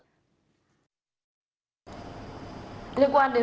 ngoại truyền thông tin